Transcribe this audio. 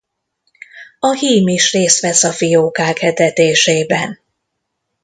A hím is részt vesz a fiókák etetésében.